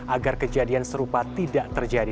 agar kejadian serupa tidak terjadi